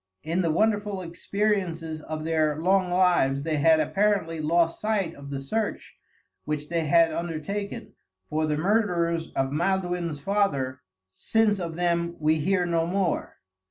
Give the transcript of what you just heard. In the wonderful experiences of their long lives they had apparently lost sight of the search which they had undertaken, for the murderers of Maelduin's father, since of them we hear no more.